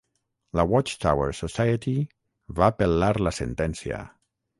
La Watch Tower Society va apel·lar la sentència.